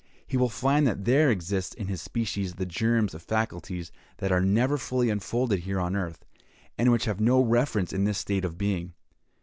He will find that there exists in his species the germs of faculties that are never fully unfolded here on earth, and which have no reference to this state of being.